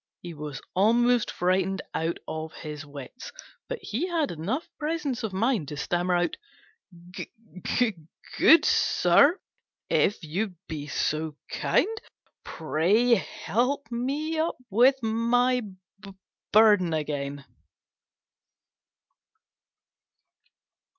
He was almost frightened out of his wits, but he had enough presence of mind to stammer out, "Good sir, if you'd be so kind, pray help me up with my burden again."